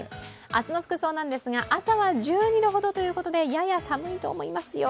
明日の服装ですが朝は１２度ほどということで、やや寒いと思いますよ